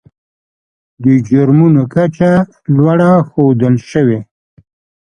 د جرمونو کچه لوړه ښودل شوې.